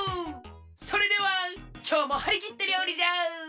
それではきょうもはりきってりょうりじゃ！